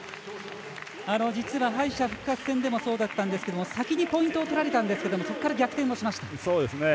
実は敗者復活戦でもそうだったんですけど先にポイントをとられたんですけれどもそこから逆転をしました。